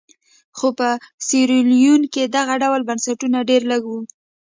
خو په سیریلیون کې دغه ډول بنسټونه ډېر لږ وو.